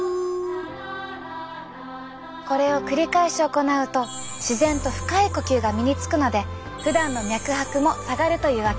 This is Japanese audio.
これを繰り返し行うと自然と深い呼吸が身につくのでふだんの脈拍も下がるというわけ。